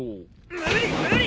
無理無理！